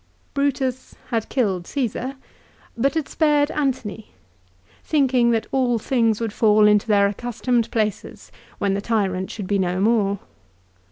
Brutus had killed Cassar, but had spared Antony, thinking that all things would fall into their accustomed places when the tyrant should be no more.